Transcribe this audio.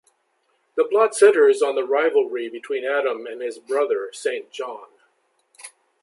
The plot centres on the rivalry between Adam and his brother Saint John.